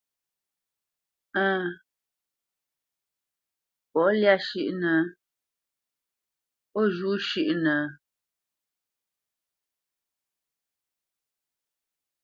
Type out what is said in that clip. Ǝ̂ŋ, pó lyá shʉ́ʼnǝ, ó zhû shʉ́ʼnǝ ?